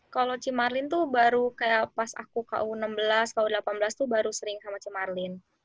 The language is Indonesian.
kalau cimarin tuh baru kayak pas aku ku enam belas ku delapan belas tuh baru sering sama cemarlin